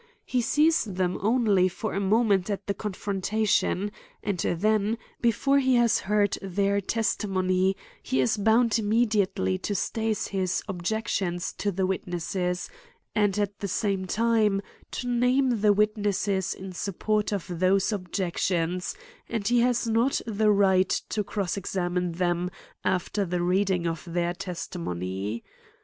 He sees them only for a mo ment at the confrontation ;,and then, before he has heard their testimony, he is bound immediately to stase his objectibns to the witnesses, and at the G g x)34 A COMMENTARY ON same time, to name the witnesses in sup port of those objections ; and he has not the riglit to crossexamine them after the reading of their testimony.